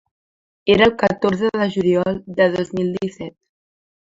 Era el catorze de juliol de dos mil disset.